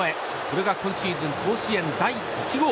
これが今シーズン甲子園第１号。